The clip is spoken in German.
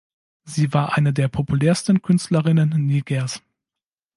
Sie war eine der populärsten Künstlerinnen Nigers.